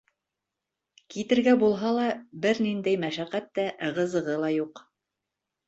Китергә булһа ла бер ниндәй мәшәҡәт тә, ығы-зығы ла юҡ.